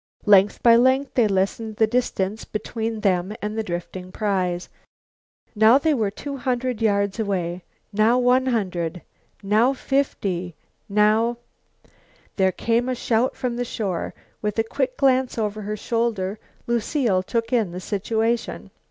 Length by length they lessened the distance between them and the drifting prize. Now they were two hundred yards away, now one hundred, now fifty, now There came a shout from the shore. With a quick glance over her shoulder Lucile took in the situation.